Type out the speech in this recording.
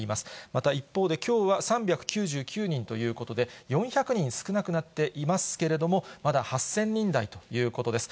また一方で、きょうは３９９人ということで、４００人少なくなっていますけれども、まだ８０００人台ということです。